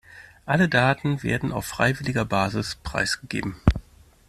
Alle Daten werden auf freiwilliger Basis preisgegeben.